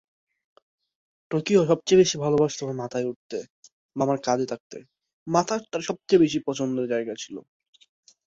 অন্যান্য শিল্পীদের মধ্যে ছিলেন তার বাবা বিলি রে সাইরাস।